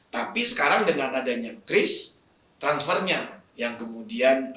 tapi sekarang dengan adanya kris transfernya yang kemudian